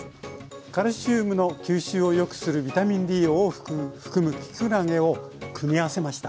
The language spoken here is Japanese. カルシウムの吸収をよくするビタミンＤを多く含むきくらげを組み合わせました。